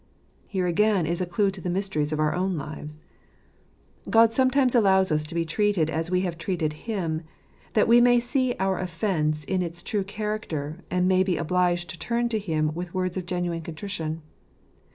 Here again is a clue to the mysteries of our own lives. God sometimes allows us to be treated as we have treated Him, that we may see our offence in its true character, and may be obliged to turn to Him with words of genuine contrition.